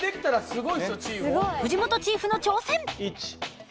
すごい！藤本チーフの挑戦！